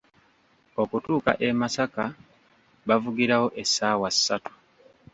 Okutuuka e Masaka bavugirawo essaawa ssatu.